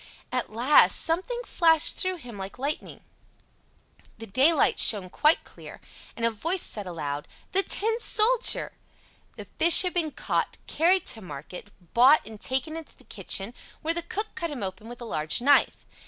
At last something flashed through him like lightning. The daylight shone quite clear, and a voice said aloud, "The Tin Soldier!" The fish had been caught, carried to market, bought, and taken into the kitchen, where the cook cut him open with a large knife.